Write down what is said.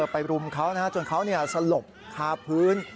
ไปรุมเขานะจนเขาเนี่ยสลบคาพื้น